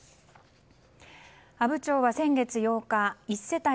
阿武町は先月８日１世帯